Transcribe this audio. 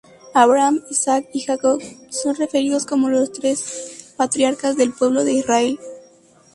Abraham, Isaac y Jacob son referidos como los tres patriarcas del pueblo de Israel.